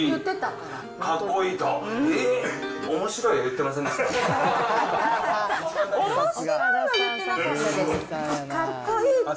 かっこいいと？